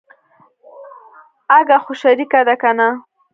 اگه خو شريکه ده کنه.